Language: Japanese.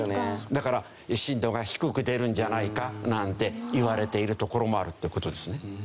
だから震度が低く出るんじゃないかなんていわれているところもあるって事ですね。